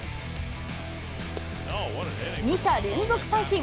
２者連続三振。